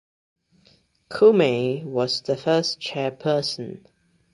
Kume was the first chairperson.